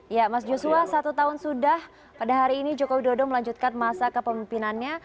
ya mas joshua satu tahun sudah pada hari ini joko widodo melanjutkan masa kepemimpinannya